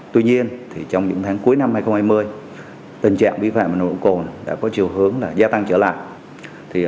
tuy nhiên trong những tháng cuối năm hai nghìn hai mươi tình trạng vi phạm nồng độ cồn đã có chiều hướng gia tăng trở lại